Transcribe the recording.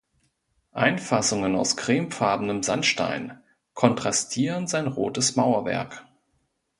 Einfassungen aus cremefarbenem Sandstein kontrastieren sein rotes Mauerwerk.